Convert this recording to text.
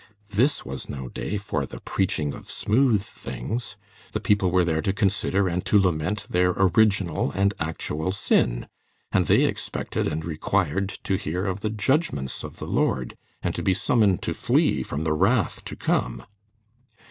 This was no day for the preaching of smooth things. The people were there to consider and to lament their Original and Actual sin; and they expected and required to hear of the judgments of the Lord, and to be summoned to flee from the wrath to come.